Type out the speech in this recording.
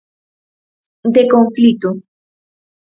De conflito.